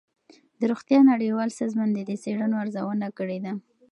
د روغتیا نړیوال سازمان د دې څېړنو ارزونه کړې ده.